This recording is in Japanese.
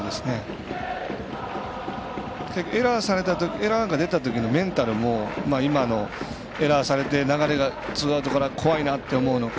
エラーが出た時のメンタルも今、エラーされて流れがツーアウトから怖いなって思うのか